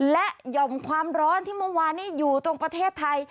และหย่อมความร้อนที่เมื่อวานนี้อยู่ตรงประเทศไทย